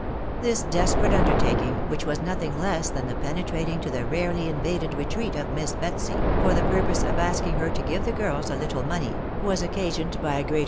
This desperate undertaking, which was nothing less than the penetrating to the rarely invaded retreat of Miss Betsy, for the purpose of asking her to give the girls a little money, was occasioned by a gte&X.